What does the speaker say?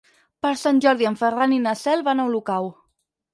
Per Sant Jordi en Ferran i na Cel van a Olocau.